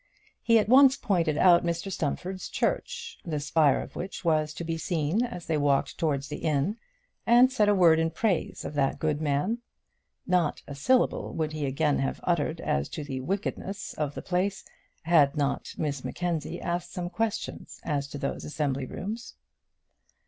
He at once pointed out Mr Stumfold's church, the spire of which was to be seen as they walked towards the inn, and said a word in praise of that good man. Not a syllable would he again have uttered as to the wickednesses of the place, had not Miss Mackenzie asked some questions as to those assembly rooms.